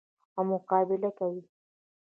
او مقابله کوي.